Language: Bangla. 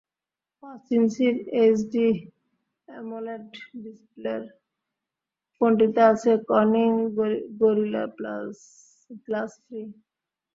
পাঁচ ইঞ্চির এইচডি অ্যামোলেড ডিসপ্লের ফোনটিতে আছে কর্নিং গরিলা গ্লাস থ্রি।